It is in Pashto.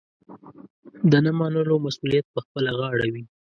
د نه منلو مسوولیت پخپله غاړه وي.